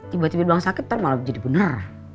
tiba tiba bilang sakit nanti malah menjadi benar